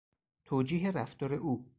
توجیه رفتار او